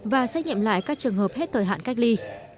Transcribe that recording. và xét nghiệm lại các trường hợp hết thời hạn cách ly